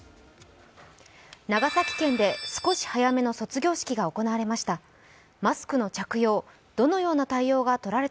長崎県で少し早めの卒業式が行われました。